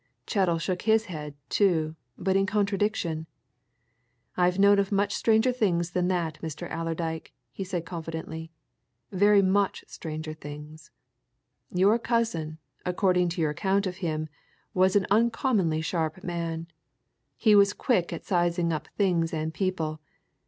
Chettle shook his head, too but in contradiction, "I've known of much stranger things than that, Mr. Allerdyke," he said confidently. "Very much stranger things. Your cousin, according to your account of him, was an uncommonly sharp man. He was quick at sizing up things and people.